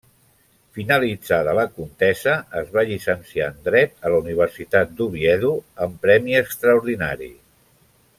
Finalitzada la contesa, es va llicenciar en dret a la Universitat d'Oviedo, amb premi extraordinari.